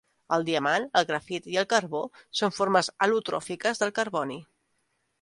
El diamant, el grafit i el carbó són formes al·lotròfiques del carboni.